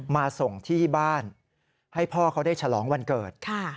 มาส่งที่บ้านให้พ่อเขาได้ฉลองวันเกิด